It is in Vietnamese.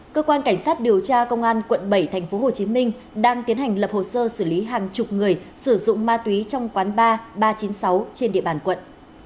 cơ quan cảnh sát điều tra công an quận bảy tp hcm đang tiến hành lập hồ sơ xử lý hàng chục người sử dụng ma túy trong quán ba ba trăm chín mươi sáu trên địa bàn quận